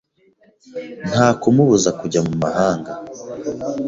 Nta kumubuza kujya mu mahanga.